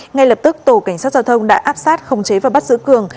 ngay lập tức tổ cảnh sát giao thông đã áp sát khống chế và bắt giữ cường